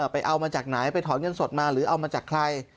ไปเอามาจากไหนไปถอนเงินสดมาหรือเอามาจากใคร